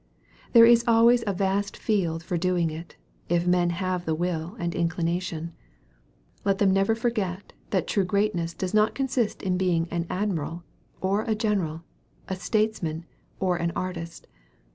There is always a vast field for doing it, if men have the will and inclination. Let them never forget, that true great ness does not consist in being an admiral, or a general a statesman, or an artist.